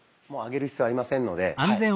もう上げる必要ありませんのではい。